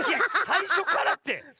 「さいしょから」って！